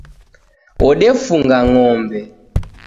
Wodefunga ng'ombe.